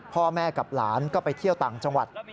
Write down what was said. พ่อแม่กับหลานก็ไปเที่ยวต่างจังหวัด